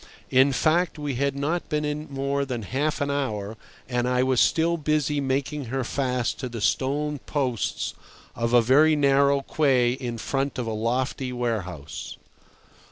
In fact, we had not been in more than half an hour and I was still busy making her fast to the stone posts of a very narrow quay in front of a lofty warehouse.